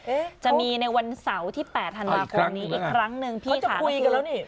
เอ๊ะจะมีในวันเสาร์ที่แปดธันวาคมนี้อีกครั้งหนึ่งพี่สามารถพี่จะคุยกันแล้วนี่